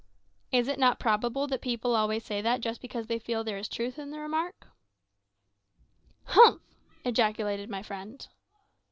"Is it not probable that people always say that just because they feel that there is truth in the remark?" "Humph!" ejaculated my friend.